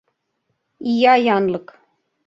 — Ия янлык.